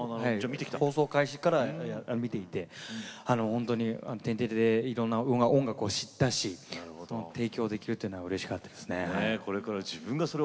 放送開始から見ていて本当に「天てれ」でいろんな音楽を知ったし提供できるというのはうれしかったですね。